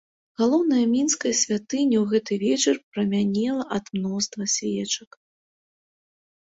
Галоўная мінская святыня ў гэты вечар прамянела ад мноства свечак.